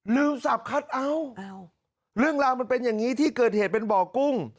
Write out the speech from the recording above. สับคัทเอาเรื่องราวมันเป็นอย่างนี้ที่เกิดเหตุเป็นบ่อกุ้ง